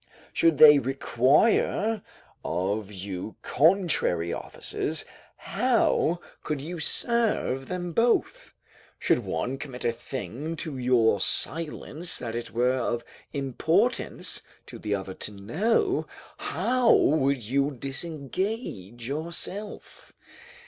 Should they require of you contrary offices, how could you serve them both? Should one commit a thing to your silence that it were of importance to the other to know, how would you disengage yourself?